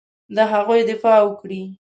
د هغوی دفاع وکړي.